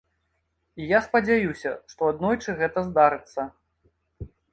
І я спадзяюся, што аднойчы гэта здарыцца.